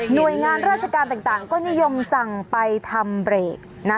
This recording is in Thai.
โดยงานราชการต่างก็นิยมสั่งไปทำเบรกนะ